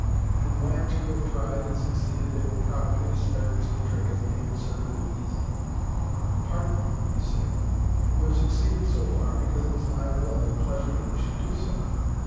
When one or two have tried and succeeded, they will probably disparage the trick, as being absurdly easy. " Pardon me," you say, t€ you have succeeded so far, because it was my will and pleasure that you should do so.